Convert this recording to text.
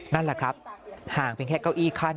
นั่นแหละครับห่างเป็นแค่เก้าอี้ขั้น